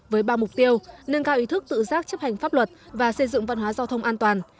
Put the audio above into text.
với ba mục tiêu nâng cao ý thức tự giác chấp hành pháp luật và xây dựng văn hóa giao thông an toàn